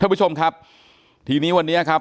ท่านผู้ชมครับทีนี้วันนี้ครับ